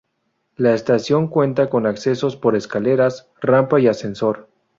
La estación cuenta con accesos por escaleras, rampa y ascensor.